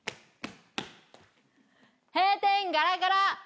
閉店ガラガラ。